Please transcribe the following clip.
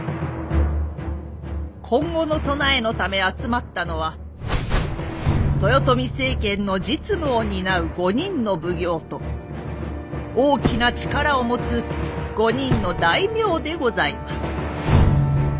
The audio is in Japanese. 今後の備えのため集まったのは豊臣政権の実務を担う５人の奉行と大きな力を持つ５人の大名でございます。